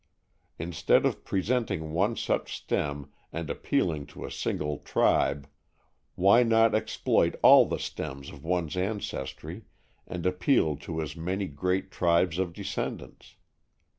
Instead of presenting one such stem and appealing to a single tribe, why not exploit all the stems of one's ancestry and appeal to as many great tribes of descendants?